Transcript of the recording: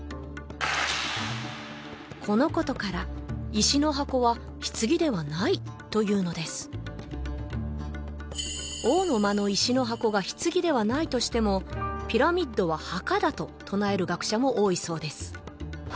このことからというのです王の間の石の箱が棺ではないとしてもピラミッドは墓だと唱える学者も多いそうです